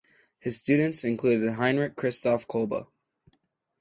His students included Heinrich Christoph Kolbe.